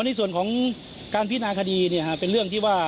อ๋อในส่วนของการพิจารณาคดีเนี่ยค่ะเป็นเรื่องที่ว่า